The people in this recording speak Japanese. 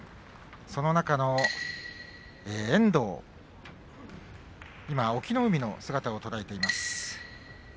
その中の遠藤今、隠岐の海の姿を捉えています。